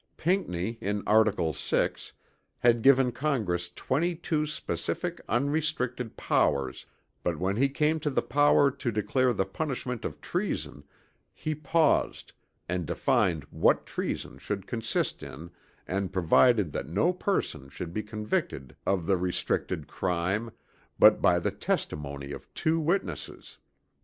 Pinckney in article 6 had given Congress twenty two specific unrestricted powers but when he came to the power to declare the punishment of treason he paused and defined what treason should consist in and provided that no person should be convicted of the restricted crime but by the testimony of two witnesses.